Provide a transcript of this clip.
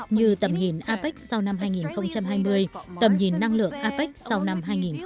như tầm nhìn apec sau năm hai nghìn hai mươi tầm nhìn năng lượng apec sau năm hai nghìn ba mươi